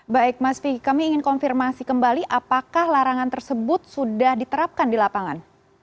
baik mas vicky kami ingin konfirmasi kembali apakah larangan tersebut sudah diterapkan di lapangan